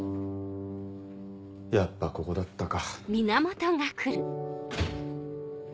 やっぱここだったか。